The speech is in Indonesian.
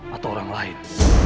atau orang lain